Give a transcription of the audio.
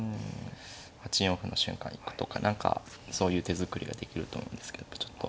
８四歩の瞬間行くとか何かそういう手作りができると思うんですけどちょっと。